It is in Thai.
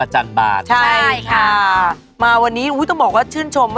หราแซม